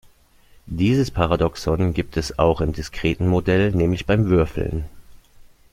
Dieses Paradoxon gibt es auch im diskreten Modell, nämlich beim Würfeln.